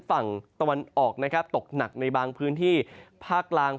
ฝั่งตะวันออกตกหนักในบางพื้นที่ภาคล่าง